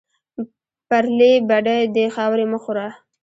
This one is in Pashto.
پرلې بډۍ دې خاورې مه خوره